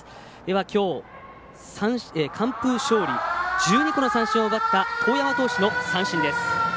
きょう、完封勝利１２個の三振を奪った當山投手の三振です。